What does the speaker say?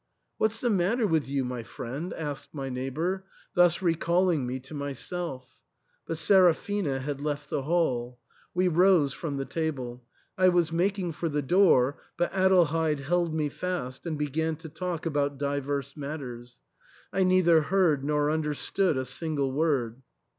" What's the matter with you, my friend?" asked my neighbour, thus recalling me to myself ; but Seraphina had left the hall. We rose from the table. I was making for the door, but Adelheid held me fast, and began to talk about divers matters ; I neither heard nor understood a single word.